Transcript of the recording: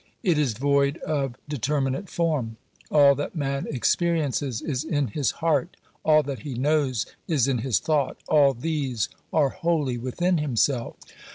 It is void of determinate form. All that man experiences is in his heart, all that he knows is in his thought ; all these are wholly within himself.